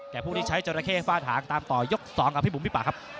ผู้ที่ใช้จราเข้ฟาดถางตามต่อยก๒กับพี่บุ๋มพี่ป่าครับ